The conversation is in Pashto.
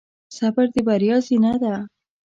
صبر د بریا زینه ده.